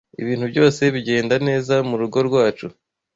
ibintu byose bigenda neza mu rugo rwacu,